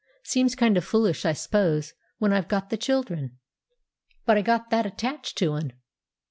Seems kind o' foolish I s'pose when I've got the children. But I got that attached to 'un."